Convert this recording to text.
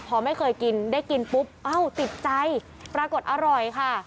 พอไม่เคยกินได้กินปุ๊บเอ้าติดใจปรากฏอร่อยค่ะ